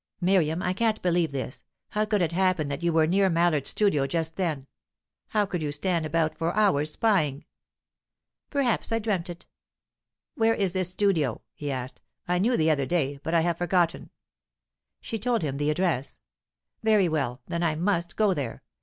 "Miriam, I can't believe this. How could it happen that you were near Mallard's studio just then? How could you stand about for hours, spying?" "Perhaps I dreamt it." "Where is this studio?" he asked. "I knew the other day, but I have forgotten." She told him the address. "Very well, then I must go there.